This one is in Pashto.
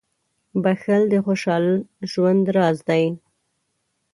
• بښل د خوشحال ژوند راز دی.